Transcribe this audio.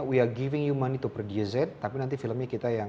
we are giving you money to produce it tapi nanti filmnya kita yang